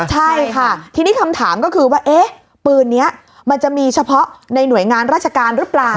ใช่ค่ะทีนี้คำถามก็คือว่าเอ๊ะปืนนี้มันจะมีเฉพาะในหน่วยงานราชการหรือเปล่า